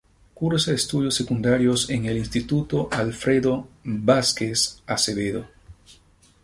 Cursa estudios secundarios en el Instituto Alfredo Vásquez Acevedo.